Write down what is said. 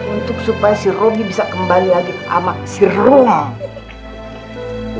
untuk supaya si romi bisa kembali lagi sama si rom